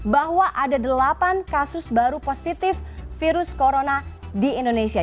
bahwa ada delapan kasus baru positif virus corona di indonesia